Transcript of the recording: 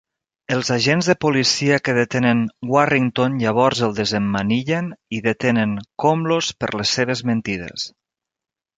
Els agents de policia que detenen Warrington llavors el desemmanillen i detenen Komlos per les seves mentides.